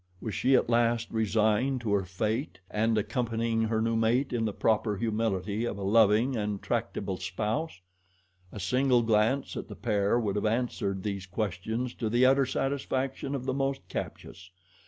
Was she at last resigned to her fate and accompanying her new mate in the proper humility of a loving and tractable spouse? A single glance at the pair would have answered these questions to the utter satisfaction of the most captious.